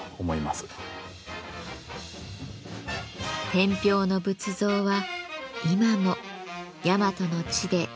天平の仏像は今も大和の地で静かにたたずみます。